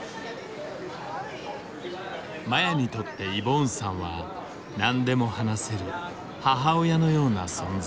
麻也にとってイボーンさんは何でも話せる母親のような存在だ。